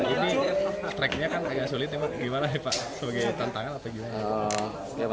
ini tracknya kan agak sulit ya pak gimana nih pak sebagai tantangan atau gimana